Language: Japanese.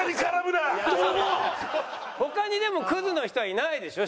他にでもクズの人はいないでしょ？